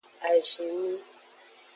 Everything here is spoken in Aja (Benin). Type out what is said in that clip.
Azinmi.